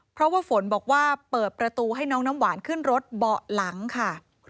เพราะว่าฝนบอกว่าเปิดประตูให้น้องน้ำหวานขึ้นรถเบาะหลังค่ะ